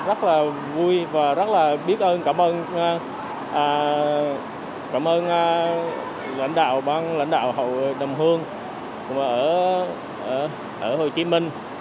rất là vui và rất là biết ơn cảm ơn lãnh đạo hội đồng hương ở hồ chí minh